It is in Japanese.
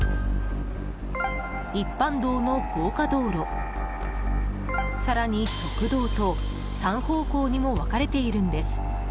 一般道の高架道路、更に側道と３方向にも分かれているんです。